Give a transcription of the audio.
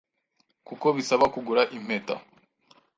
kuko bisaba kugura impeta